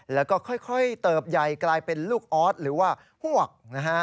แล้วก็ค่อยเติบใหญ่กลายเป็นลูกออสหรือว่าหวกนะฮะ